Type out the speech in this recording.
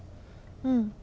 うん。